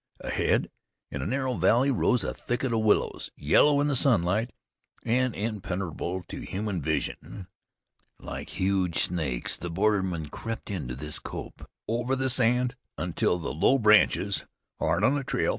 Ahead, in a narrow valley, rose a thicket of willows, yellow in the sunlight, and impenetrable to human vision. Like huge snakes the bordermen crept into this copse, over the sand, under the low branches, hard on the trail.